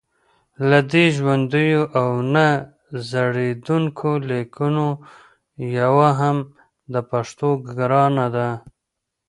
له دې ژوندیو او نه زړېدونکو لیکونو یوه هم د پښتو ګرانه ده